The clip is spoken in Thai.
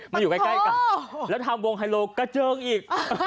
อยู่ใกล้กันแล้วทำวงไฮโลกระเจิงอีก